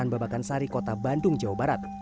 di kelurahan babakansari kota bandung jawa barat